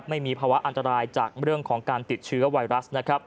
ไม่มีภาวะอันตรายจากเรื่องของการติดเชื้อไวรัสนะครับ